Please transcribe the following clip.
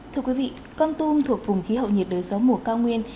thưa quý vị con tum thuộc vùng khí hậu nhiệt đới gió mùa cao nguyên